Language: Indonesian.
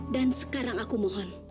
dan sekarang aku mohon